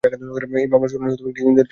এই মামলার শুনানি কিছুদিন ধরেই চলছে।